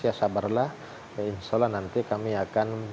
ya sabarlah insya allah nanti kami akan